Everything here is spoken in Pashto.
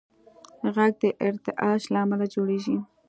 غږ د ارتعاش له امله جوړېږي.